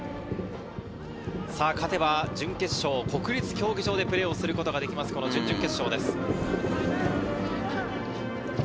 勝てば準決勝を国立競技場でプレーをすることができます、この準々決勝です。